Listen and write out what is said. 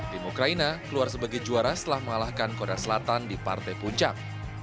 tim ukraina keluar sebagai juara setelah mengalahkan korea selatan di partai puncak